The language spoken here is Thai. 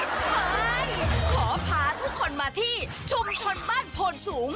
เฮ้ยขอพาทุกคนมาที่ชุมชนบ้านโพนสูง